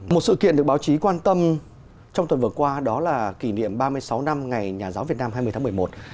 một sự kiện được báo chí quan tâm trong tuần vừa qua đó là kỷ niệm ba mươi sáu năm ngày nhà giáo việt nam hai mươi tháng một mươi một